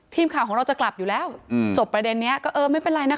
ทีมข่าวของเราจะกลับอยู่แล้วจบประเด็นนี้ก็เออไม่เป็นไรนะคะ